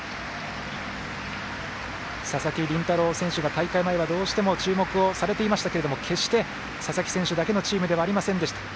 佐々木麟太郎選手が大会前はどうしても注目をされていましたが決して、佐々木だけのチームではありませんでした。